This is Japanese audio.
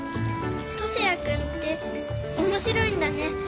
トシヤくんっておもしろいんだね。